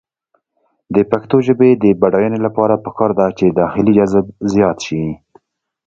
د پښتو ژبې د بډاینې لپاره پکار ده چې داخلي جذب زیات شي.